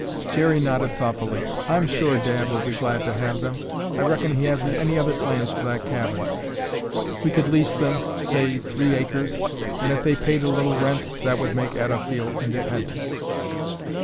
Jerry nodded thoughtfully. "I'm sure Dad will be glad to have them. I reckon he hasn't any other plans for that cabin. We could lease them, say three acres, and if they paid a little rent that would make Etta feel independent."